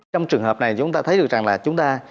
trong trường hợp này chúng ta thấy được rằng là chúng ta